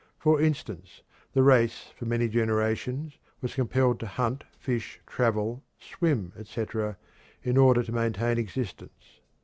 For instance, the race for many generations was compelled to hunt, fish, travel, swim, etc., in order to maintain existence.